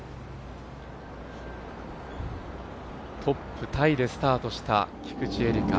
トップタイでスタートした菊地絵理香。